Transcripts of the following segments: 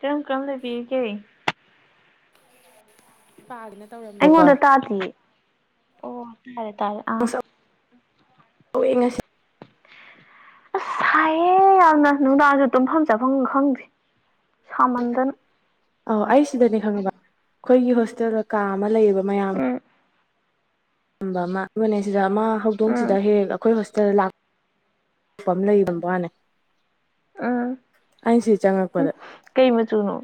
ꯀꯔꯝ ꯀꯝ ꯂꯩ ꯄꯤꯒꯦ ꯄꯥꯗꯅ ꯇꯧꯔꯝ ꯑꯩꯉꯣꯟꯗ ꯇꯥꯗꯌꯦ ꯑꯣ ꯇꯥꯔꯦ ꯇꯥꯔꯦ ꯑꯥ ꯍꯧꯑꯦ ꯉꯁꯤ ꯑꯁ ꯁꯥꯏꯌꯦ ꯌꯥꯝꯅ ꯅꯨꯡꯗꯥꯡꯁꯨ ꯇꯨꯝꯐꯝ ꯆꯥꯐꯝ ꯈꯪꯗꯦ ꯁꯥꯃꯟꯗꯅ ꯑ ꯑꯩ ꯁꯤꯗꯅꯦ ꯈꯪꯉꯕ ꯑꯩꯈꯣꯏꯒꯤ ꯍꯣꯁꯇꯦꯜꯗ ꯀꯥ ꯑꯃ ꯂꯩꯌꯦꯕ ꯃꯌꯥꯝ ꯎꯝ ꯃꯥꯅꯦ ꯁꯤꯗ ꯃꯥ ꯎꯝ ꯍꯧꯗꯣꯡꯁꯤꯗ ꯍꯦꯛ ꯑꯩꯈꯣꯏ ꯍꯣꯁꯇꯦꯜ ꯂꯥꯛꯄ ꯂꯩꯕꯕꯥꯅꯦ ꯎꯝ ꯑꯩꯁꯤ ꯎꯝ ꯆꯪꯉꯛꯄꯗ ꯀꯩ ꯃꯆꯨꯅꯣ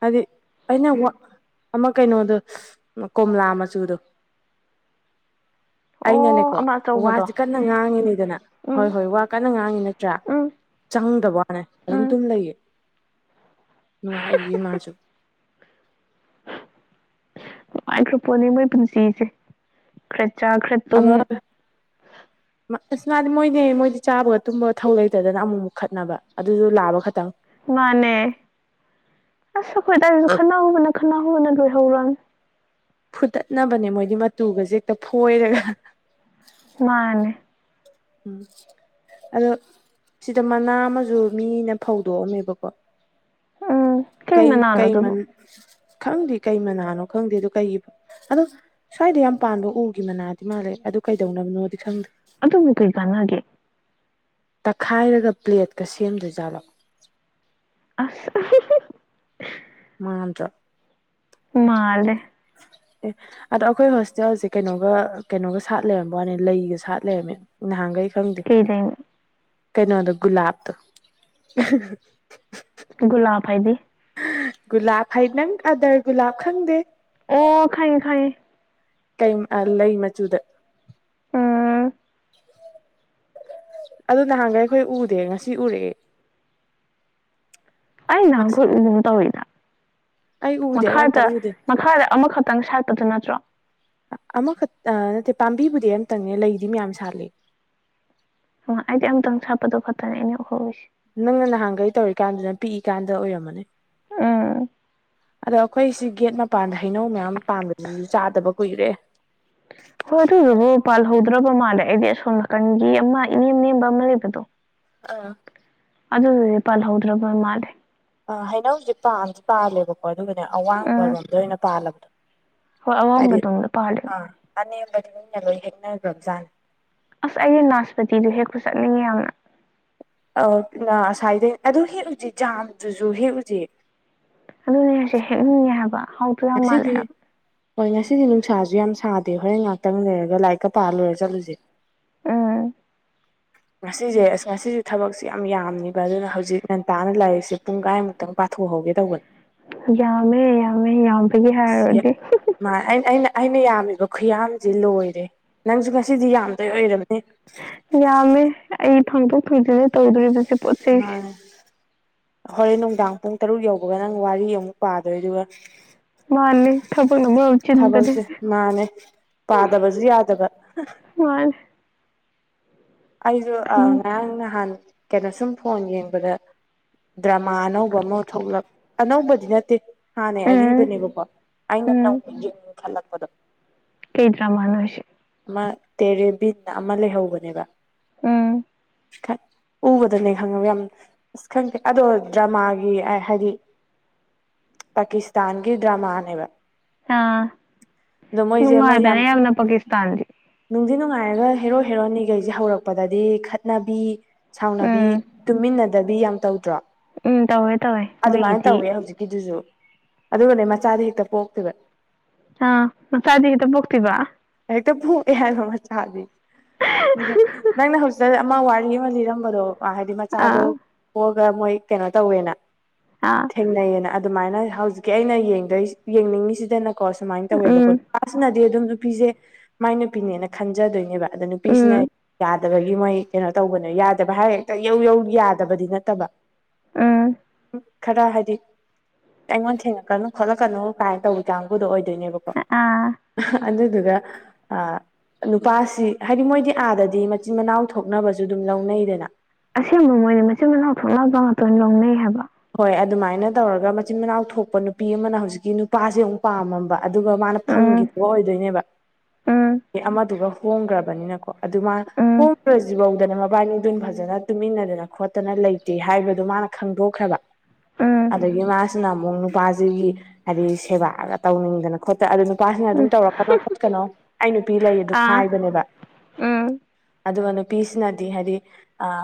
ꯍꯥꯏꯗꯤ ꯑꯩꯅ ꯑꯃ ꯀꯩꯅꯣꯗꯣ ꯀꯣꯝꯂꯥ ꯃꯆꯨꯗꯣ ꯑꯣ ꯑꯩꯅꯅꯦꯀꯣ ꯑꯃ ꯑꯆꯧꯕꯗꯣ ꯋꯥꯁꯦ ꯀꯟꯅ ꯉꯥꯡꯉꯤꯅꯦꯗꯅ ꯎꯝ ꯍꯣꯏ ꯍꯣꯏ ꯋꯥ ꯀꯟꯅ ꯉꯥꯡꯉꯤ ꯅꯠꯇ꯭ꯔꯥ ꯎꯝ ꯆꯪꯗꯕ ꯋꯥꯅꯦ ꯑꯗꯨꯝ ꯎꯝ ꯇꯨꯝ ꯂꯩꯌꯦ ꯅꯨꯡꯉꯥꯏꯔꯤꯌꯦ ꯃꯥꯁꯨ ꯅꯨꯉꯥꯏꯈ꯭ꯔ ꯄꯣꯠꯅꯤ ꯃꯣꯏ ꯄꯨꯟꯁꯤꯁꯦ ꯈꯔ ꯆꯥꯛ ꯈꯔ ꯑꯃ ꯎ ꯑꯁ ꯃꯥꯗꯤ ꯃꯣꯏꯅꯦ ꯃꯣꯏꯗꯤ ꯆꯥꯕꯒ ꯇꯨꯝꯕꯒ ꯊꯧ ꯂꯩꯇꯗꯅ ꯑꯃꯨꯛꯃꯨꯛ ꯈꯠꯅꯕ ꯑꯗꯨꯗ ꯂꯥꯕ ꯈꯛꯇꯪ ꯃꯥꯅꯦ ꯑ ꯁꯈꯣꯏ ꯇꯁꯨ ꯈ ꯍꯕꯅ ꯈ ꯍꯕꯅ ꯂꯏ ꯍꯧꯔꯝ ꯐꯨꯠꯇꯠꯅꯕꯅꯦ ꯃꯣꯏꯗꯤ ꯃꯇꯨꯒꯁ ꯍꯦꯛꯇ ꯐꯣꯏꯔꯒ ꯃꯥꯅꯦ ꯎꯝ ꯑꯗꯣ ꯁꯤꯗ ꯃꯅꯥ ꯑꯃꯁꯨ ꯃꯤꯅ ꯐꯧꯗꯣꯛꯑꯝꯃꯦꯕꯀꯣ ꯎꯝ ꯀꯩ ꯃꯅꯥꯅꯣ ꯀꯩ ꯑꯗꯨꯕꯨ ꯈꯪꯗꯦ ꯀꯩ ꯃꯅꯥꯅꯣ ꯈꯪꯗꯦ ꯑꯗꯨꯣ ꯀꯩꯒꯤ ꯑꯗꯣ ꯁ꯭ꯋꯥꯏꯗ ꯌꯥꯝ ꯄꯥꯟꯕ ꯎꯒꯤ ꯃꯅꯥꯗꯤ ꯃꯥꯜꯂꯦ ꯑꯗꯨ ꯀꯩꯗꯧꯅꯕꯅꯣꯗꯤ ꯈꯪꯗꯦ ꯑꯗꯨꯕꯨ ꯏꯒ ꯅꯦ ꯇꯛꯈꯥꯏꯔꯒ ꯄ꯭ꯂꯦꯠꯀ ꯁꯦꯝꯗꯣꯏꯖꯥꯠꯂꯣ ꯑꯁ ꯃꯥꯗ꯭ꯔꯣ ꯃꯥꯗꯦ ꯑꯦ ꯑꯗꯣ ꯑꯩꯈꯣꯏ ꯍꯣꯁꯇꯦꯜꯁꯦ ꯀꯩꯅꯣꯒ ꯀꯩꯅꯣꯒ ꯁꯥꯠ ꯂꯩꯔꯝꯕ ꯋꯥꯅꯦ ꯂꯩꯒ ꯁꯥꯠ ꯂꯩꯔꯝꯃꯦ ꯅꯍꯥꯟꯈꯩ ꯈꯪꯗꯦ ꯀꯩ ꯂꯩꯅꯣ ꯀꯩꯅꯣꯗꯣ ꯒꯨꯂꯥꯞꯇ ꯨꯒꯨꯂꯥꯐ ꯍꯥꯏꯗꯤ ꯒꯨꯂꯥꯞ ꯍꯥꯏ ꯅꯪ ꯑꯥꯗꯔ ꯒꯨꯂꯥꯞ ꯈꯪꯗꯦ ꯑꯣ ꯈꯪꯉꯦ ꯈꯪꯉꯦ ꯀꯩ ꯂꯩ ꯃꯆꯨꯗ ꯎꯝ ꯑꯗꯨ ꯅꯍꯥꯟꯒ ꯑꯩꯈꯣꯏ ꯎꯗꯦ ꯉꯁꯤ ꯎꯔꯑꯦ ꯑꯩ ꯉꯁꯤ ꯅꯍꯥꯟꯒꯣꯏ ꯎꯒꯨꯝ ꯇꯧꯏꯗ ꯑꯩ ꯎꯗꯦ ꯑꯩ ꯑꯝꯇ ꯃꯈꯥꯗ ꯎꯗꯦ ꯃꯈꯥꯗ ꯑꯃꯈꯛꯇꯪ ꯁꯥꯥꯏꯠꯄꯗꯨ ꯅꯠꯇ꯭ꯔꯣ ꯑꯃꯈꯛ ꯅꯠꯇꯦ ꯄꯥꯝꯕꯤꯕꯨꯗꯤ ꯑꯝꯇꯪꯅꯦ ꯂꯩꯗꯤ ꯃꯌꯥꯝ ꯁꯥꯠꯂꯤ ꯑꯣ ꯑꯩꯗꯤ ꯑꯝꯇꯪ ꯁꯥꯞꯄꯗꯣ ꯈꯣꯠꯇꯅꯤ ꯑꯩꯅ ꯎꯍꯧꯔꯤꯁꯦ ꯅꯪꯅ ꯅꯍꯥꯟꯒꯩ ꯇꯧꯔꯤꯀꯥꯟꯗꯨꯗꯅ ꯄꯤꯛꯏꯀꯥꯟꯗ ꯑꯣꯏꯔꯝꯃꯅꯤ ꯎꯝ ꯑꯗꯣ ꯑꯩꯈꯣꯏꯁꯤ ꯒꯦꯠ ꯃꯄꯥꯟꯗ ꯍꯩꯅꯧ ꯃꯌꯥꯝ ꯄꯥꯟꯕꯁꯤꯁꯨ ꯆꯥꯗꯕ ꯀꯨꯏꯔꯦ ꯍꯣꯏ ꯑꯗꯨꯗꯨꯕꯨ ꯄꯥꯜꯍꯧꯗ꯭ꯔꯕ ꯃꯥꯜꯂꯦ ꯑꯩꯗꯤ ꯑꯁꯣꯝ ꯅꯥꯀꯟꯒꯤ ꯑꯃ ꯏꯅꯦꯝ ꯅꯦꯝꯕ ꯑꯃ ꯂꯩꯕꯗꯣ ꯑꯥ ꯑꯗꯨꯗꯤ ꯄꯜꯍꯧꯗ꯭ꯔꯕ ꯃꯥꯜꯂꯦ ꯑ ꯍꯩꯅꯧꯖꯦ ꯄꯥꯟꯗꯤ ꯄꯥꯜꯂꯦꯕꯀꯣ ꯑꯗꯨꯒꯅꯦ ꯑꯋꯥꯡꯕꯔꯣꯝꯗ ꯑꯣꯏꯅ ꯄꯥꯜꯂꯕꯗꯣ ꯑꯋꯥꯝꯕ ꯇꯣꯟꯗ ꯄꯥꯂꯦ ꯑꯅꯕꯗꯤ ꯍꯦꯛꯅ꯭ꯔꯖꯥ ꯑꯁ ꯑꯩꯒꯤ ꯅꯥꯁꯄꯇꯤꯗꯨ ꯍꯦꯛꯄ ꯆꯠꯅꯤꯡꯉꯤ ꯌꯥꯝꯅ ꯑ ꯉꯁꯥꯏꯗꯩ ꯑꯗꯨ ꯍꯦꯛꯎꯖꯦ ꯖꯥꯝꯗꯨꯁꯨ ꯍꯦꯛꯎꯖꯦ ꯑꯗꯨꯅꯦꯁꯦ ꯍꯦꯛꯅꯤꯡꯉꯦ ꯍꯥꯏꯕ ꯌꯥꯝ ꯃꯥꯜꯂꯦ ꯀꯁꯒꯤ ꯍꯥꯏꯕ ꯍꯣꯏ ꯉꯁꯤꯗꯤ ꯅꯨꯡꯁꯥꯁꯨ ꯌꯥꯝ ꯁꯥꯗꯦ ꯍꯣꯔꯦꯟ ꯉꯥꯛꯇꯪ ꯂꯩꯔꯒ ꯂꯥꯏꯔꯤꯛꯀ ꯄꯥꯂꯣꯏꯦ ꯆꯠꯂꯨꯁꯦ ꯎꯝ ꯉꯁꯤꯁꯦ ꯑꯁ ꯉꯁꯤꯁꯦ ꯊꯕꯛꯁꯦ ꯌꯥꯝ ꯌꯥꯝꯅꯤꯕ ꯑꯗꯨꯅ ꯍꯧꯖꯤꯛ ꯉꯟꯇꯥꯅ ꯂꯔꯤꯁꯦ ꯁꯤ ꯄꯨꯡ ꯀꯥꯏꯃꯨꯛꯇꯪ ꯄꯥꯊꯣꯛꯍꯧꯒꯦ ꯇꯧꯕꯅꯦ ꯌꯥꯃꯦ ꯌꯥꯃꯦ ꯌꯥꯝꯒꯤ ꯁꯤ ꯍꯥꯏꯔꯗꯤ ꯃꯥ ꯑꯩꯅ ꯑꯩꯅ ꯑꯩꯅ ꯌꯥꯝꯃꯤꯕ ꯈꯨꯌꯥꯝꯁꯤ ꯂꯣꯏꯔꯦ ꯅꯪꯖꯨ ꯉꯁꯤꯗꯤ ꯌꯥꯝꯗꯣꯏ ꯑꯣꯏꯔꯝꯅꯤ ꯌꯥꯝꯃꯦ ꯑꯩ ꯐꯪꯗꯣꯛ ꯇꯧꯗ꯭ꯔꯤ [unintelligible] ꯍꯣꯔꯦꯟ ꯅꯨꯡꯗꯥꯡ ꯄꯨꯡ ꯇꯔꯨꯛ ꯌꯧꯕꯒ ꯅꯪ ꯋꯥꯔꯤ ꯑꯃꯨꯛ ꯄꯥꯗꯣꯏ ꯑꯗꯨꯒ ꯃꯥꯅꯤ ꯊꯕꯛꯅ ꯃꯔꯣꯟ ꯑꯃ ꯆꯤꯟꯕꯅꯦ ꯊꯕꯛꯁꯦ ꯃꯥꯅꯦ ꯄꯥꯗꯕꯁꯨ ꯌꯥꯗꯕ ꯍꯣꯏ ꯑꯩꯁꯨ ꯉꯔꯥꯡ ꯅꯍꯥꯟ ꯀꯩꯅꯣ ꯁꯨꯝ ꯐꯣꯟ ꯌꯦꯡꯕꯗ ꯗ꯭ꯔꯃꯥ ꯑꯅꯧꯕ ꯑꯃ ꯊꯣꯛꯂꯛ ꯑꯅꯧꯕꯗꯤ ꯅꯠꯇꯦ ꯍꯥꯟꯅꯩ ꯎꯝ ꯑꯔꯤꯕꯅꯦꯕꯀꯣ ꯑꯩꯅ ꯅꯧ ꯎꯝ ꯌꯦꯡ ꯈꯜꯂꯛꯄꯗꯣ ꯀꯩ ꯗ꯭ꯔꯥꯃꯥꯅꯣ ꯍꯥꯏꯁꯦ ꯑꯃ ꯇꯦꯔꯦꯕꯤꯟ ꯑꯃ ꯂꯩꯍꯧꯕꯅꯦꯕ ꯎꯝ ꯎꯕꯗꯅꯦ ꯈꯪꯉꯕ ꯌꯥꯝ ꯑꯁ ꯈꯪꯗꯦ ꯑꯗꯣ ꯗꯔꯃꯥꯒꯤ ꯍꯥꯏꯗꯤ ꯄꯥꯀꯤꯁꯇꯥꯟꯒꯤ ꯗ꯭ꯔꯥꯃꯥꯅꯦꯕ ꯑꯥ ꯑꯃ ꯌꯥꯝ ꯅꯨꯡꯉꯥꯏꯕꯅꯦ ꯌꯥꯝꯅ ꯄꯥꯀꯤꯁꯇꯥꯟꯗꯤ ꯅꯨꯡꯗꯤ ꯅꯨꯡꯉꯥꯏꯔꯒ ꯍꯦꯔꯣ ꯍꯦꯔꯣꯅꯤꯈꯩꯁꯦ ꯍꯧꯔꯛ ꯄꯗꯗꯤ ꯈꯠꯅꯕꯤ ꯁꯥꯎꯅꯕꯤ ꯎꯝ ꯇꯨꯃꯤꯟꯅꯗꯕꯤ ꯌꯥꯝ ꯇꯧꯗ꯭ꯔꯣ ꯎꯝ ꯇꯧꯋꯦ ꯇꯧꯋꯦ ꯑꯗꯨꯃꯥꯏꯅ ꯃꯣꯏꯒꯤꯗꯤ ꯇꯧꯋꯦ ꯍꯧꯖꯤꯛꯀꯤꯗꯨꯁꯨ ꯑꯗꯨꯒꯅꯦ ꯃꯆꯥꯗꯤ ꯍꯦꯛꯇ ꯄꯣꯛꯇꯦꯕ ꯑꯥ ꯃꯆꯥꯥꯗꯤ ꯍꯦꯛꯇ ꯄꯣꯛꯇꯦꯕ ꯍꯦꯛꯇ ꯄꯣꯛꯑꯦ ꯍꯥꯏꯕ ꯃꯆꯥꯥꯗꯤ ꯑꯗꯨꯒ ꯅꯪꯅ ꯍꯧꯖꯤꯛ ꯑꯃ ꯋꯥꯔꯤ ꯑꯃ ꯂꯤꯔꯝꯕꯗꯣ ꯍꯥꯏꯗꯤ ꯃꯆꯥꯗꯣ ꯑꯥ ꯄꯣꯛꯑꯒ ꯃꯣꯏ ꯀꯩꯅꯣ ꯇꯧꯋꯦꯅ ꯑꯥ ꯊꯦꯡꯅꯩꯌꯦꯅ ꯑꯗꯨꯃꯥꯏꯅ ꯍꯧꯖꯤꯛꯀꯤ ꯑꯩꯅ ꯌꯦꯡꯗꯣꯏ ꯌꯦꯡꯅꯤꯡꯉꯤꯁꯤꯗꯅꯀꯣ ꯁꯨꯃꯥꯏꯅ ꯇꯧꯋꯦꯕꯀꯣ ꯎꯝ ꯅꯨꯄꯥꯁꯤꯅꯗꯤ ꯑꯗꯨꯝ ꯅꯨꯄꯤꯁꯦ ꯃꯥꯏ ꯅꯨꯄꯤꯅꯦꯅ ꯈꯟꯖꯗꯣꯏꯅꯦꯕ ꯑꯗ ꯎꯝ ꯅꯨꯄꯤꯁꯤꯅꯗ ꯗꯕꯒꯤ ꯃꯣꯏ ꯀꯩꯅꯣ ꯇꯧꯕꯅꯦ ꯌꯥꯗꯕ ꯍꯥꯏꯔ ꯍꯦꯛꯇ ꯌꯧ ꯌꯧ ꯌꯥꯗꯕꯗꯤ ꯅꯠꯇꯕ ꯎꯝ ꯈꯔ ꯍꯥꯏꯗꯤ ꯑꯩꯉꯣꯟ ꯊꯦꯡꯉꯛꯀꯅꯨ ꯈꯣꯠꯂꯛꯀꯅꯨ ꯀꯥꯏꯅ ꯇꯧꯕ ꯀꯥꯡꯕꯨꯗꯣ ꯑꯣꯏꯗꯣꯏꯅꯦꯕ ꯑꯥ ꯑꯗꯨꯗꯨꯒ ꯑꯥ ꯅꯨꯄꯥꯁꯤ ꯍꯥꯏꯗꯤ ꯃꯣꯏꯗꯤ ꯑꯥꯗꯗꯤ ꯃꯆꯤꯟ ꯃꯅꯥꯎ ꯊꯣꯛꯅꯕꯁꯨ ꯑꯗꯨꯝ ꯂꯧꯅꯩꯗꯅ ꯑꯁꯦꯡꯕ ꯃꯣꯏꯗꯤ ꯃꯆꯤꯟ ꯃꯅꯥꯎ ꯊꯣꯛꯅꯥ ꯕ ꯉꯥꯛꯇꯥ ꯑꯣꯏ ꯂꯧꯅꯩ ꯍꯥꯏꯕ ꯍꯣꯏ ꯑꯗꯨꯃꯥꯏꯅ ꯇꯧꯔꯒ ꯃꯆꯤꯟ ꯃꯅꯥꯎ ꯊꯣꯛꯄ ꯅꯨꯄꯤ ꯑꯃꯅ ꯍꯧꯖꯤꯛꯀꯤ ꯅꯨꯄꯥꯖꯦ ꯑꯃꯨꯛ ꯄꯥꯝꯃꯝꯕ ꯑꯗꯨꯒ ꯃꯥꯅ ꯎꯝ ꯐꯪꯈꯤꯗꯕ ꯑꯣꯏꯗꯣꯏꯅꯦꯕ ꯎꯝ ꯑꯃꯗꯨꯒ ꯍꯣꯡꯒ꯭ꯔꯕꯅꯤꯅꯀꯣ ꯑꯗꯨꯃ ꯍꯣ ꯎꯝ ꯖꯤꯕꯧꯗꯅꯦ ꯃꯕꯥꯅꯤꯗ‌ꯣ ꯐꯖꯅ ꯇꯨꯃꯤꯟꯅꯗꯅ ꯈꯣꯠꯇꯅ ꯂꯩꯇꯦ ꯍꯥꯏꯕꯗ‌ꯣ ꯃꯥꯅ ꯈꯪꯗꯣꯛꯈ꯭ꯔꯕ ꯎꯝ ꯑꯗꯒꯤ ꯃꯥ ꯖꯤꯅ ꯑꯃꯨꯛ ꯅꯨꯄꯥꯁꯤꯒꯤ ꯍꯥꯏꯗꯤ ꯁꯦꯕꯥꯒ ꯇꯧꯅꯤꯡꯗꯅ ꯈꯣꯠꯇ ꯑꯗꯨ ꯅꯨꯄꯥꯁꯤꯅ ꯑꯗꯨꯝ ꯎꯝ ꯇꯧꯔꯛꯀꯅꯣ ꯈꯣꯠꯀꯅꯣ ꯑꯩ ꯅꯨꯄꯤ ꯂꯩ ꯑꯗꯨꯝ ꯑꯥ ꯍꯥꯏꯕꯅꯦꯕ ꯎꯝ ꯑꯗꯨꯒ ꯅꯨꯄꯤꯁꯤꯅꯗꯤ ꯍꯥꯏꯗꯤ ꯑꯥ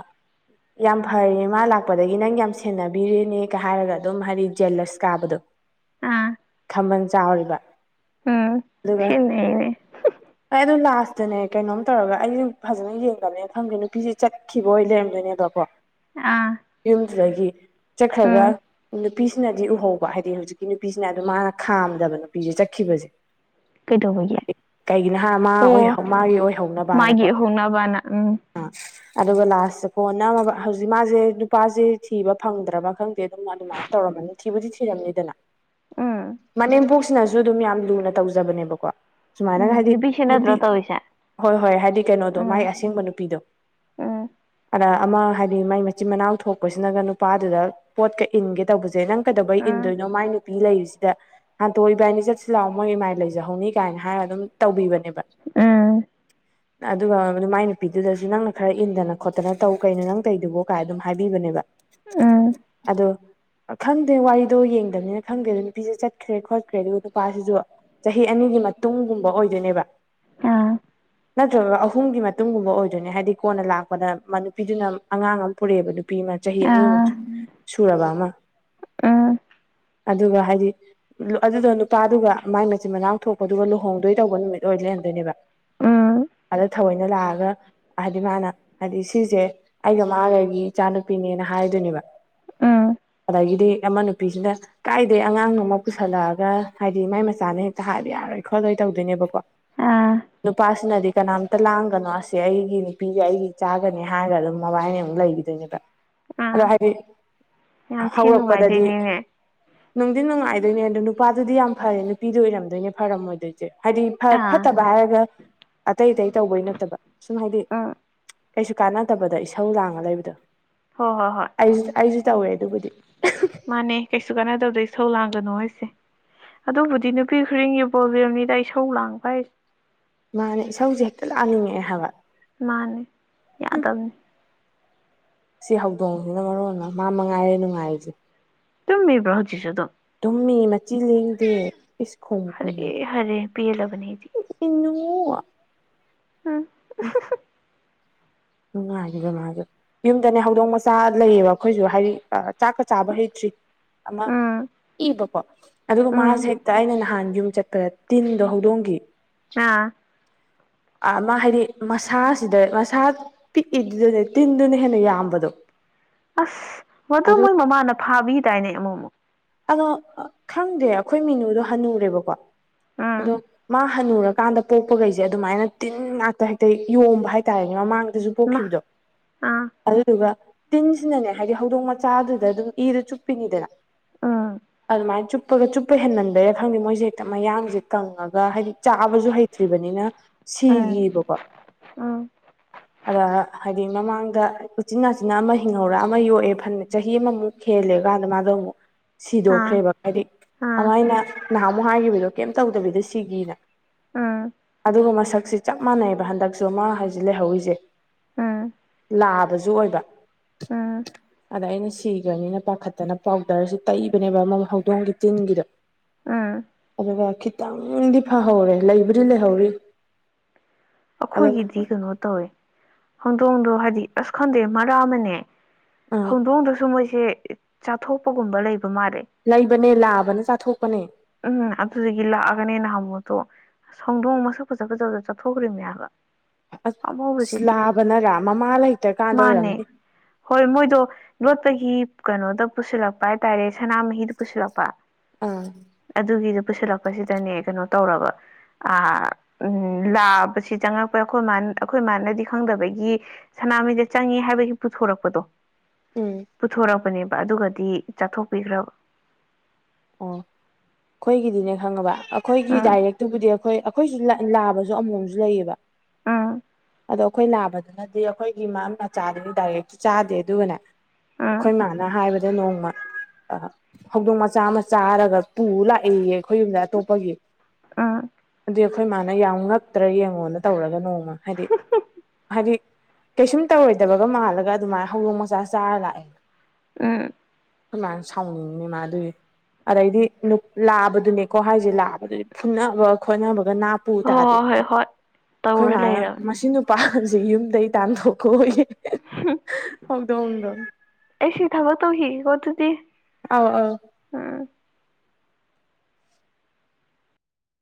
ꯌꯥꯝ ꯐꯔꯦ ꯃꯥ ꯂꯥꯛꯄꯗꯒꯤ ꯅꯪ ꯌꯥꯝ ꯁꯦꯟꯅꯕꯤ ꯕꯤꯔꯅꯤꯒ ꯍꯥꯏꯔꯒ ꯑꯗꯨꯝ ꯍꯥꯏꯗꯤ ꯖꯦꯂꯁ ꯀꯥꯕꯗꯣ ꯑꯥ ꯈꯃꯕꯜ ꯆꯥꯎꯔꯤꯕ ꯎꯝ ꯑꯗꯨꯒ ꯈꯦꯠꯅꯩꯅꯦ ꯍꯣꯏ ꯑꯗꯣ ꯂꯥꯁꯇꯅꯦ ꯀꯩꯅꯣꯝ ꯇꯧꯔꯒ ꯑꯩꯁꯨ ꯐꯖꯅ ꯌꯦꯡꯗꯕꯅꯤꯅ ꯈꯪꯗꯦ ꯅꯨꯄꯤꯖꯦ ꯆꯠ ꯈꯤꯕ ꯑꯣꯏ ꯂꯩꯔꯝꯗꯣꯏꯅꯦꯕꯀꯣ ꯑꯥ ꯌꯨꯝꯗꯨꯗꯒꯤ ꯆꯠꯈ꯭ꯔꯒ ꯎꯝ ꯅꯨꯄꯤꯁꯤꯅꯗꯤ ꯎꯍꯧꯕ ꯍꯥꯏꯗꯤ ꯍꯧꯖꯤꯛꯀꯤ ꯅꯨꯄꯤꯁꯤꯅ ꯑꯗꯨ ꯃꯥꯅ ꯈꯥꯝꯗꯕ ꯅꯨꯄꯤꯖꯦ ꯆꯠꯈꯤꯕꯖꯦ ꯀꯩꯗꯧꯕꯒꯤ ꯀꯩꯒꯤꯅꯣ ꯍꯥꯏ ꯃꯥ ꯑꯣꯏ ꯑꯣ ꯃꯥꯒꯤ ꯑꯣꯏꯍꯧꯅꯕꯅꯀꯣ ꯃꯥꯒꯤ ꯍꯧꯅꯕꯅ ꯎꯝ ꯑꯥ ꯑꯗꯨꯒ ꯂꯥꯁꯇ ꯀꯣꯟꯅ ꯍꯧꯖꯤꯛ ꯃꯥꯖꯦ ꯅꯨꯄꯥꯖꯦ ꯊꯤꯕ ꯐꯪꯗ ꯗ꯭ꯔꯕ ꯈꯪꯗꯦ ꯑꯗꯨꯃꯥꯏꯅ ꯇꯧꯔꯝꯃꯅꯤ ꯊꯤꯕꯨꯗꯤ ꯊꯤꯔꯝꯅꯤꯗꯅ ꯎꯝ ꯃꯅꯦꯝꯄꯣꯛꯁꯤꯅ ꯁꯨ ꯑꯗꯨꯝ ꯌꯥꯝ ꯂꯨꯅ ꯇꯧꯖꯕꯅꯦꯕꯀꯣ ꯁꯨꯃꯥꯏꯅ ꯎꯝ ꯍꯥꯏꯗꯤ ꯅꯨꯄꯤꯁꯦ ꯅꯠꯇ꯭ꯔꯣ ꯅꯨꯄꯤ ꯇꯧꯔꯤꯁꯦ ꯍꯣꯏ ꯍꯣꯏ ꯍꯥꯏꯗꯤ ꯀꯩꯅꯣꯗꯣ ꯃꯥꯏ ꯎꯝ ꯑꯁꯦꯡꯕ ꯅꯨꯄꯤꯗꯣ ꯎꯝ ꯑꯗ ꯑꯃ ꯍꯥꯏꯗꯤ ꯃꯥꯏ ꯃꯆꯤꯟ ꯃꯅꯥꯎ ꯊꯣꯛꯄꯁꯤꯅꯒ ꯅꯨꯄꯥꯗꯨꯗ ꯄꯣꯠꯀ ꯏꯟꯒꯦ ꯇꯧꯕꯖꯦ ꯅꯪ ꯀꯩꯗꯧꯕꯩ ꯎꯝ ꯏꯟꯗꯣꯏꯅꯣ ꯃꯥꯏ ꯅꯨꯄꯤ ꯂꯩꯔꯤꯖꯤꯗ ꯍꯟꯇꯣ ꯏꯕꯥꯏꯅꯤ ꯆꯠꯁꯤ ꯂꯥꯛꯑꯣ ꯃꯣꯏ ꯏꯃꯥꯏ ꯂꯩꯖꯍꯧꯅꯤ ꯀꯥꯏꯅ ꯍꯥꯏꯔꯒ ꯑꯗꯨꯝ ꯇꯧꯕꯤꯕꯅꯦꯕ [inaudible] ꯑꯗꯨꯒ ꯑꯗꯨ ꯃꯥꯏ ꯅꯨꯄꯤꯗꯨꯗꯁꯨ ꯅꯪꯅ ꯈꯔ ꯏꯟꯗꯅ ꯈꯣꯠꯇꯅ ꯇꯧ ꯀꯩꯅꯣ ꯅꯪ ꯇꯧꯏꯗꯨꯕꯣ ꯀꯥꯏ ꯑꯗꯨꯝ ꯍꯥꯏꯕꯤꯕꯅꯦꯕ ꯎꯝ ꯑꯗꯣ ꯈꯪꯗꯦ ꯋꯥꯔꯤꯗꯣ ꯌꯦꯡꯗꯕꯅꯤꯅ ꯈꯪꯗꯦ ꯑꯗꯨꯗ ꯅꯨꯄꯤꯁꯦ ꯆꯠꯈ꯭ꯔꯦ ꯈꯣꯠꯈ꯭ꯔꯦ ꯑꯗꯨꯒ ꯅꯨꯄꯥꯁꯤꯁꯨ ꯆꯍꯤ ꯑꯅꯤꯒꯤ ꯃꯇꯨꯡꯒꯨꯝꯕ ꯑꯣꯏꯗꯣꯏꯅꯦꯕ ꯑ ꯅꯠꯇ꯭ꯔꯒ ꯑꯍꯨꯝꯒꯤ ꯃꯇꯨꯡꯒꯨꯝꯕ ꯑꯣꯏꯗꯣꯏꯅꯦ ꯍꯥꯏꯗꯤ ꯀꯣꯟꯅ ꯂꯥꯛꯄꯗ ꯅꯨꯄꯤꯗꯨꯅ ꯑꯉꯥꯡ ꯑꯃ ꯄꯨꯔꯛꯑꯦꯕ ꯅꯨ ꯄꯤꯃꯥ ꯆꯍꯤ ꯑꯅꯤꯃꯨꯛ ꯑꯥ ꯁꯨꯔꯕ ꯑꯃ ꯎꯝ ꯑꯗꯨꯒ ꯍꯥꯏꯗꯤ ꯑꯗꯨꯗꯣ ꯅꯨꯄꯥꯗꯨꯒ ꯃꯥꯏ ꯃꯆꯤꯟ ꯃꯅꯥꯎ ꯊꯣꯛꯄꯗꯨꯒ ꯂꯨꯍꯣꯡꯗꯣꯏ ꯇꯧꯕ ꯅꯨꯃꯤꯠ ꯑꯣꯏ ꯂꯩꯔꯝꯗꯣꯏꯅꯦꯕ꯫ ꯎꯝ ꯑꯗ ꯊꯑꯣꯏꯅ ꯂꯥꯛꯑꯒ ꯍꯥꯏꯗꯤ ꯃꯥꯅ ꯍꯥꯏꯗꯤ ꯁꯤꯁꯦ ꯑꯩꯒ ꯃꯥꯒꯒꯤ ꯏꯆꯥꯅꯨꯄꯤꯅꯦꯅ ꯍꯥꯏꯗꯣꯏꯅꯦꯕ ꯎꯝ ꯑꯗꯩꯗꯤ ꯑꯃ ꯅꯨꯄꯤꯖꯤꯅ ꯀꯥꯏꯗꯩ ꯑꯉꯥꯡꯅꯣꯃ ꯄꯨꯁꯜꯂꯛꯑꯒ ꯍꯥꯏꯗꯤ ꯃꯥꯏ ꯃꯆꯥꯅꯦ ꯍꯦꯛꯇ ꯍꯥꯏꯕ ꯌꯥꯔꯣꯏ ꯈꯣꯠꯂꯣꯏ ꯇꯧꯗꯣꯏꯅꯦꯕꯀꯣ꯫ ꯑꯥ ꯅꯨꯄꯥꯁꯤ ꯅꯗꯤ ꯀꯅꯥꯝ ꯇ ꯂꯥꯡꯒꯅꯣ ꯑꯁꯤ ꯑꯩꯒꯤ ꯅꯨꯄꯤꯒ ꯑꯩꯒꯤ ꯏꯆꯒꯅꯤ ꯍꯥꯏꯔꯒ ꯑꯗꯨꯝ ꯃꯕꯥꯏꯅꯤ ꯑꯃꯨꯛ ꯂꯩꯈꯤꯗꯣꯏꯅꯦꯕ꯫ ꯑꯥ ꯑꯗꯣ ꯍꯥꯏꯗꯤ ꯌꯥꯝ ꯊꯤ ꯍꯧꯔꯛꯄꯗꯗꯤ꯫ ꯅꯨꯡꯉꯥꯏꯗꯣꯏꯅꯤꯅꯦ ꯅꯨꯡꯗꯤ ꯅꯨꯡꯉꯥꯏꯗꯣꯏꯅꯦ ꯑꯗꯣ ꯅꯨꯄꯥꯗꯨꯗꯤ ꯌꯥꯝ ꯐꯔꯦ ꯅꯨꯄꯤꯗꯨ ꯑꯣꯏꯔꯝꯗꯣꯏꯅꯦ ꯐꯔꯝꯃꯣꯏꯗꯣꯏ ꯍꯥꯏꯗꯤ ꯑꯥ ꯐꯠꯇꯕ ꯍꯥꯏꯔꯒ ꯑꯇꯩ ꯑꯇꯩ ꯇꯧꯕꯩ ꯅꯠꯇꯕ ꯁꯨꯝ ꯍꯥꯏꯗꯤ꯫ ꯎꯝ ꯀꯩꯁꯨ ꯀꯥꯟꯅꯗꯕꯗ ꯏꯁꯧ ꯂꯥꯡꯉ ꯂꯩꯕꯗꯣ ꯍꯣꯏ ꯍꯣꯏ ꯍꯣꯏ꯫ ꯑꯩ ꯑꯩꯁꯨ ꯇꯧꯋꯦ ꯑꯗꯨꯕꯨꯗꯤ ꯃꯥꯅꯦ ꯀꯩꯁꯨ ꯀꯥꯟꯅꯗꯕꯗ ꯏꯁꯧ ꯂꯥꯡꯒꯅꯣ ꯍꯥꯏꯖꯦ꯫ ꯑꯗꯨꯕꯨꯗꯤ ꯅꯨꯄꯤ ꯈꯨꯗꯤꯡꯒꯤ ꯄ꯭ꯔꯣꯕ꯭ꯂꯦꯝꯅꯤꯗ ꯏꯁꯧ ꯂꯥꯡꯕ ꯍꯥꯏꯁꯦ ꯃꯥꯅꯦ ꯏꯁꯧꯁꯦ ꯍꯦꯛꯇ ꯂꯥꯛꯅꯤꯡꯉꯛꯑꯦ ꯍꯥꯏꯕ ꯃꯥꯅꯦ ꯌꯥꯗꯕꯅꯤ ꯁꯤ ꯍꯧꯗꯣꯡꯖꯤꯅ ꯃꯔꯣꯟ ꯑꯃ ꯃꯥ ꯃꯉꯥꯏꯔꯦ ꯅꯨꯡꯉꯥꯏꯔꯤꯖꯦ꯫ ꯇꯨꯝꯃꯤꯕꯔꯣ ꯍꯧꯖꯤꯁꯨ ꯑꯗꯨꯝ꯫ ꯇꯨꯝꯃꯤ ꯃꯆꯤ ꯂꯦꯡꯗꯦ ꯏꯁ [unintelligible] ꯍꯔꯦ ꯍꯔꯦ ꯄꯤꯜꯂꯕꯅꯦ ꯑꯩꯗꯤ꯫ ꯏꯅꯨ꯫ [unintelligible] ꯏꯁ [unintelligible] ꯅꯨꯡꯉꯥꯏꯔꯤꯕ ꯃꯥꯖꯨ꯫ ꯌꯨꯝꯗꯅꯦ ꯍꯧꯗꯣꯡ ꯃꯆꯥ ꯂꯩꯌꯦꯕ ꯑꯩꯈꯣꯏꯁꯨ ꯍꯥꯏꯗꯤ ꯆꯥꯛꯀ ꯆꯥꯕ ꯍꯩꯇ꯭ꯔꯤ ꯑꯃ ꯎꯝ ꯏꯕꯀꯣ ꯑꯗꯨꯒ ꯃꯥꯁꯦ ꯎꯝ ꯍꯦꯛꯇ ꯑꯩꯅ ꯅꯍꯥꯟ ꯌꯨꯝ ꯆꯠꯄꯗ ꯇꯤꯟꯒ ꯍꯧꯗꯣꯡꯈꯤ ꯑꯥ ꯑꯃ ꯍꯥꯏꯗꯤ ꯃꯁꯥꯁꯤꯗ ꯃꯁꯥ ꯄꯤꯛꯏꯗꯨꯗꯨꯅꯦ ꯇꯤꯟꯗꯨꯅ ꯍꯦꯟꯅ ꯌꯥꯝꯕꯗꯣ ꯑꯁ ꯃꯗꯨ ꯑꯗꯨ ꯃꯣꯏ ꯃꯃꯥꯅ ꯐꯥꯕꯤꯗꯥꯏꯅꯦ ꯑꯃꯨꯛ ꯑꯃꯨꯛ꯫ ꯑꯗꯣ ꯈꯪꯗꯦ ꯑꯩꯈꯣꯏ ꯃꯤꯅꯨꯗꯣ ꯍꯟꯅꯨꯔꯦꯕꯀꯣ ꯑꯗꯣ ꯎꯝ ꯃꯥ ꯍꯟꯅꯨꯔꯀꯥꯟꯗ ꯄꯣꯛꯄꯈꯩꯖꯦ ꯑꯗꯨꯃꯥꯏꯅ ꯇꯤꯟ ꯉꯥꯛꯇ ꯍꯦꯛꯇ ꯌꯣꯕ ꯍꯥꯏꯇꯥꯔꯦꯅꯦ ꯃꯃꯥꯡ ꯑꯗꯨꯖꯨ ꯃꯥ ꯄꯣꯛꯈꯤꯕꯗꯣ꯫ ꯑꯥ ꯑꯗꯨꯗꯨꯒ ꯇꯤꯟꯁꯤꯅꯅꯦ ꯍꯥꯏꯗꯤ ꯍꯧꯗꯣꯡ ꯃꯆꯥꯗꯨꯗ ꯑꯗꯨꯝ ꯏꯗꯨ ꯆꯨꯞꯄꯤꯅꯤꯗꯅ ꯑꯥ ꯑꯗꯨꯃꯥꯏꯅ ꯆꯨꯞꯄꯒ ꯆꯨꯞꯄ ꯍꯦꯟꯃꯟꯕꯩꯔꯥ ꯈꯪꯗꯦ ꯃꯣꯏꯁꯦ ꯍꯦꯛꯇ ꯃꯌꯥꯡꯁꯦ ꯀꯪꯉꯒ ꯍꯥꯏꯗꯤ ꯆꯥꯕꯁꯨ ꯍꯩ ꯁꯤꯕꯅꯤꯅ ꯎꯝ ꯁꯤꯒꯤꯕꯀꯣ ꯎꯝ ꯑꯗ ꯍꯥꯏꯗꯤ ꯃꯃꯥꯡꯗ ꯎꯆꯤꯟꯅꯥꯆꯤꯅꯥ ꯑꯃ ꯍꯤꯡꯍꯧꯔ ꯑꯃ ꯌꯣꯛꯑꯦ ꯐꯅꯦ ꯆꯍꯤ ꯑꯃꯃꯨꯛ ꯍꯦꯜꯂꯦ ꯀꯥꯟꯗ ꯃꯥꯗꯣ ꯑꯃꯨꯛ ꯑꯥ ꯁꯤꯗꯣꯛꯈ꯭ꯔꯦꯕ ꯍꯥꯏꯗꯤ ꯑꯥ ꯑꯗꯨꯃꯥꯏꯅ ꯅꯍꯥꯟ ꯑꯃꯨꯛ ꯍꯥꯏꯈꯤꯕꯗꯣ ꯀꯩꯝ ꯇꯧꯗꯕꯤꯗ ꯁꯤꯒꯤꯅ ꯎꯝ ꯑꯗꯨꯒ ꯃꯁꯛꯁꯦ ꯆꯞ ꯃꯥꯟꯅꯩꯑꯕ ꯍꯟꯗꯛꯁꯨ ꯃꯥ ꯍꯥꯏꯖꯤ ꯂꯩꯍꯧꯔꯤꯁꯦ ꯎꯝ ꯂꯥꯕꯁꯨ ꯑꯣꯏꯕ ꯎꯝ ꯑꯗ ꯑꯩꯅ ꯁꯤꯒ꯭ꯔꯅꯤꯅ ꯄꯥꯈꯠꯇꯅ ꯄꯥꯎꯗꯔꯖ ꯇꯩꯕꯅꯦꯕ ꯑꯃ ꯍꯧꯗꯣꯡꯒꯤ ꯇꯤꯟꯒꯤꯗꯣ ꯎꯝ ꯑꯗꯨꯒ ꯈꯤꯇꯪꯗꯤ ꯐꯍꯧꯔꯦ ꯂꯩꯕꯨꯗꯤ ꯂꯩꯍꯧꯔꯤ ꯑꯗꯣ ꯑꯩꯈꯣꯏꯒꯤꯗꯤ ꯀꯩꯅꯣ ꯇꯧꯋꯦ ꯍꯧꯗꯣꯡꯗꯣ ꯍꯥꯏꯗꯤ ꯑꯁ ꯈꯪꯗꯦ ꯃꯔꯛ ꯑꯃꯅꯦ ꯑꯥ ꯍꯧꯗꯣꯡꯗꯁꯨ ꯃꯣꯏꯁꯦ ꯆꯥꯊꯣꯛꯄꯒꯨꯝꯕ ꯂꯩꯕ ꯃꯥꯜꯂꯦ ꯂꯩꯕꯅꯦ ꯂꯥꯕꯅ ꯆꯥꯊꯣꯛꯄꯅꯦ ꯎꯝ ꯑꯗꯨꯗꯒꯤ ꯂꯥꯛꯑꯒꯅꯦ ꯅꯍꯥꯟꯕꯣꯛꯇꯣ ꯍꯧꯗꯣꯡ ꯃꯁꯛ ꯐꯖ ꯐꯖꯕꯗ ꯆꯠꯊꯣꯛ ꯈꯨꯔꯃꯦ ꯌꯥꯕ ꯑꯁ ꯑꯁ ꯂꯥꯕꯅꯔꯥ ꯃꯃꯥ ꯂꯩꯇ꯭ꯔꯀꯥꯟꯗ ꯃꯥꯅꯦ ꯑꯣꯏꯔꯝꯅꯤ ꯍꯣꯏ ꯃꯣꯏꯗꯣ ꯂꯣꯠꯄꯒꯤ ꯀꯩꯅꯣꯗ ꯄꯨꯁꯤꯜꯂꯛꯄ ꯍꯥꯏꯇꯥꯔꯦ ꯁꯅꯥꯃꯍꯤꯗ ꯄꯨꯁꯤꯜꯂꯛꯄ ꯑꯥ꯫ ꯑꯗꯨꯒꯤꯗꯨꯣ ꯄꯨꯁꯤꯜꯂꯛꯄꯁꯤꯗꯅꯦ ꯀꯩꯅꯣ ꯇꯧꯔꯕ ꯑ ꯂꯥ ꯑꯁꯤ ꯆꯪꯉꯛꯄ ꯑꯩꯈꯣꯏ ꯑꯩꯈꯣꯏ ꯃꯥꯅꯗꯤ ꯈꯪꯗꯕꯒꯤ ꯁꯅꯥꯃꯍꯤꯗ ꯆꯪꯉꯦ ꯍꯥꯏꯕꯒꯤ ꯄꯨꯊꯣꯔꯛꯄꯗꯣ ꯎꯝ ꯄꯨꯊꯣꯔꯛꯄꯅꯦꯕ ꯑꯗꯨꯒꯗꯤ ꯆꯥꯊꯣꯛꯄꯤꯈ꯭ꯔꯕ ꯑꯣ ꯑꯩꯈꯣꯏꯒꯤꯗꯤꯅꯦ ꯈꯪꯉꯕ ꯑꯩꯈꯣꯏꯒꯤ ꯎꯝ ꯗꯥꯏꯔꯦꯛꯇꯨꯕꯨꯗꯤ ꯑꯩꯈꯣꯏ ꯑꯩꯈꯣꯏꯖꯨ ꯂꯥꯕꯖꯨ ꯑꯃꯣꯝꯖꯨ ꯂꯩꯌꯦꯕ꯫ ꯑꯥ꯫ ꯑꯗꯣ ꯑꯩꯈꯣꯏ ꯅꯥꯕꯗꯨꯅꯗꯤ ꯑꯩꯈꯣꯏꯒꯤ ꯃꯥ ꯃꯆꯥꯗꯨꯗꯤ ꯗꯥꯏꯔꯦꯛꯇꯨ ꯆꯥꯗꯦ ꯑꯗꯨꯒꯅꯦ ꯎꯝ ꯑꯩꯈꯣꯏ ꯃꯥꯟ ꯍꯥꯏꯕꯗ ꯅꯣꯡꯃ ꯍꯧꯗꯣꯡ ꯃꯆꯥ ꯑꯃ ꯆꯥꯔꯒ ꯄꯨ ꯂꯥꯛꯏ ꯈꯣꯏꯌꯨꯝꯗ ꯑꯇꯣꯞꯄꯒꯤ ꯎꯝ ꯑꯗ ꯈꯣꯏ ꯃꯥꯅ ꯌꯥꯝ ꯉꯛꯇ꯭ꯔ ꯌꯦꯡꯉꯣꯅ ꯇꯧꯔꯒ ꯅꯣꯡꯃ ꯍꯥꯏꯗꯤ ꯍꯥꯏꯗꯤ ꯀꯩꯁꯨꯝ ꯇꯧꯔꯣꯏꯗꯕꯒ ꯃꯥꯜꯂꯒ ꯑꯗꯨꯃꯥꯏꯅ ꯍꯧꯗꯣꯡ ꯃꯆꯥ ꯆꯥꯔ ꯂꯥꯛꯑꯦ ꯎꯝ ꯈ‌ꯣꯏ ꯃꯥꯅꯁꯥꯎꯅꯤꯡꯏꯅ‌ꯦ ꯃꯥꯗꯨꯏ ꯑꯗꯩꯗꯤ ꯂꯥꯕꯗꯨꯅꯦꯀꯣ ꯍꯥꯏꯖꯦ ꯂꯥꯕꯗꯨꯗꯤ ꯐꯨꯅꯕꯒ ꯈꯣꯠꯅꯕꯒ ꯅꯥꯞ ꯄꯨ ꯍꯣꯏ ꯇꯥꯗꯦ ꯍꯣꯏ ꯍꯣꯏ ꯍꯣꯏ ꯑꯩꯈꯣꯏ ꯇꯧꯔ ꯃꯥꯅ ꯂꯩꯔꯕꯅꯦ ꯃꯁꯤ ꯅꯨꯄꯥꯁꯦ ꯌꯨꯝꯗꯒꯤꯩ ꯇꯥꯟꯊꯣꯛꯈꯣ ꯍꯨꯝ ꯍꯧꯗ‌ꯣꯡꯗ‌ꯣ ꯑꯦꯁꯤ ꯊꯕ ꯇꯧ ꯍꯤ ꯀꯗꯨꯗꯤ ꯑꯥꯎ ꯑꯥꯎ